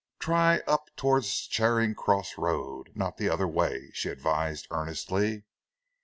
"Try up towards Charing Cross Road, not the other way," she advised earnestly.